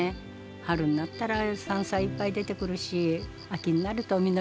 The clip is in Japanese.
春になったら山菜いっぱい出てくるし秋になると実りの秋来るし。